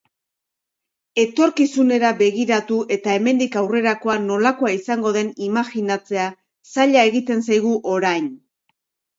Etorkizunera begiratu eta hemendik aurrerakoa nolakoa izango den imajinatzea zaila egiten zaigu orain.